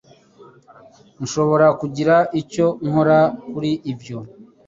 Nshobora kugira icyo nkora kuri ibyo.